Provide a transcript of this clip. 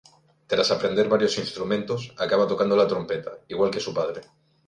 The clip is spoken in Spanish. Tras aprender varios instrumentos, acaba tocando la trompeta, igual que su padre.